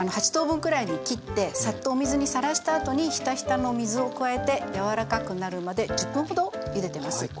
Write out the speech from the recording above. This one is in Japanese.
８等分くらいに切ってさっとお水にさらしたあとにヒタヒタのお水を加えて柔らかくなるまで１０分ほどゆでてます。